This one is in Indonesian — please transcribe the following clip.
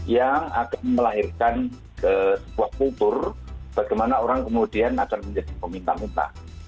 yang akan melahirkan sebuah kultur bagaimana orang kemudian akan menjadi peminta minta